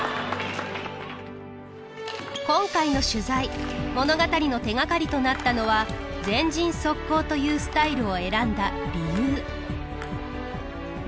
今回の取材物語の手がかりとなったのは「前陣速攻」というスタイルを選んだ理由。